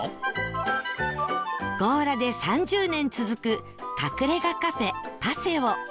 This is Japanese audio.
強羅で３０年続く隠れ家カフェ